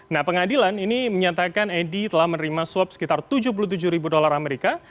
nah pengadilan ini menyatakan edi telah menerima suap sekitar tujuh puluh tujuh ribu dolar amerika